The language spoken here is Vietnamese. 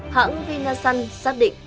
hãng vinasun xác định